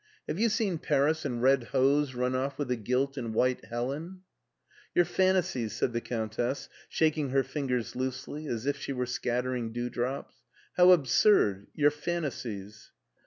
Have you seen Paris in red hose run off with the gilt and white Helen ?'* "Your fantasies/' said the Cotmtess, shaking her fingers loosely, as if she were scattering dewdrops; " how absurd ! your fantasies